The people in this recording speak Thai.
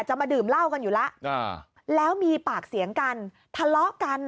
มาดื่มเหล้ากันอยู่แล้วแล้วมีปากเสียงกันทะเลาะกัน